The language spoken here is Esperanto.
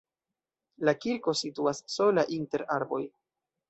La kirko situas sola inter arboj.